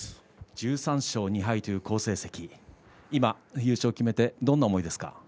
１３勝２敗という好成績今優勝を決めてどんな思いですか。